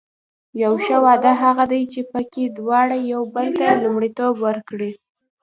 یو ښه واده هغه دی چې پکې دواړه یو بل ته لومړیتوب ورکړي.